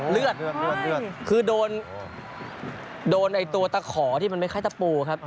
เลือดคือโดนไอ้ตัวตะขอที่มันไม่ค่อยตะปูครับ